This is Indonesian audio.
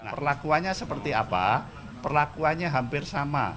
perlakuannya seperti apa perlakuannya hampir sama